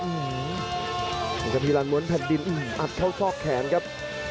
เหมือนกับพี่รันหมุนผ่านดินอัดเข้าซอกแขนครับ